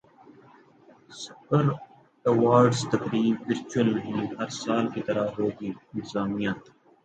سکر awards تقریب virtual نہیں ہر سال کی طرح ہوگی انتظامیہ